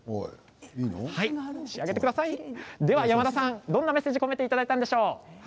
では山田さん、どんなメッセージを込めていただいたんでしょう？